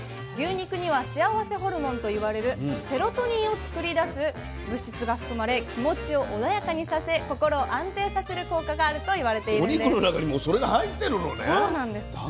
牛肉には幸せホルモンと言われるセロトニンを作り出す物質が含まれ気持ちを穏やかにさせ心を安定させる効果があると言われているんです。